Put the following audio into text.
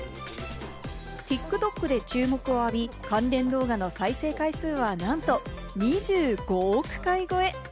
ＴｉｋＴｏｋで注目を浴び、関連動画の再生回数は、なんと２５億回超え！